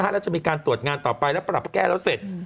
แล้วจะมีการตรวจงานต่อไปแล้วปรับแก้แล้วเสร็จ